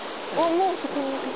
もうそこにいる。